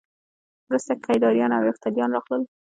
وروسته کیداریان او یفتلیان راغلل